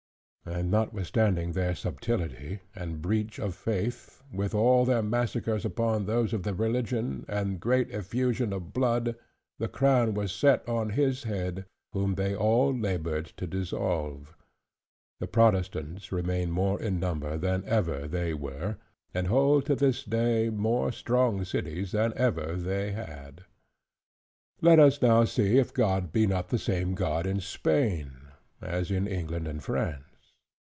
And notwithstanding their subtility, and breach of faith; with all their massacres upon those of the religion, and great effusion of blood, the crown was set on his head, whom they all labored to dissolve; the Protestants remain more in number than ever they were, and hold to this day more strong cities than ever they had. Let us now see if God be not the same God in Spain, as in England and France.